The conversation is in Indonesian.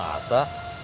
bu bet putus asa